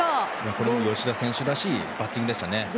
これも吉田選手らしいバッティングでしたね。